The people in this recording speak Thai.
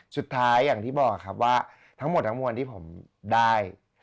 อย่างที่บอกครับว่าทั้งหมดทั้งมวลที่ผมได้